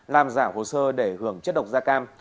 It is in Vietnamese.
làm giả hồ sơ để hưởng chất độc da cam